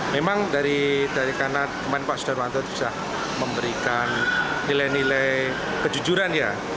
memang dari karena teman pak sudarianto itu sudah memberikan nilai nilai kejujuran ya